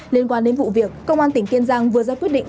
liên quan đến vụ việc công an tỉnh kiên giang vừa ra quyết định